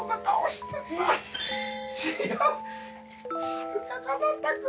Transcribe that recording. はるかかなた君。